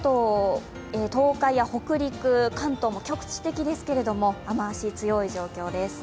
東海や北陸、関東も局地的ですけれども、雨足、強い状況です。